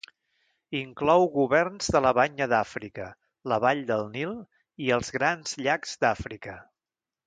Inclou governs de la Banya d'Àfrica, la Vall del Nil i els Grans Llacs d'Àfrica.